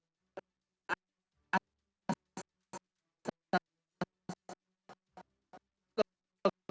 dan memposisikan dirinya sebagai depan kehormatan peradaban